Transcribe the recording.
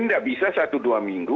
tidak bisa satu dua minggu